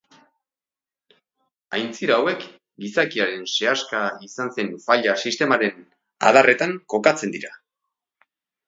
Aintzira hauek gizakiaren sehaska izan den faila-sistemaren adarretan kokatzen dira.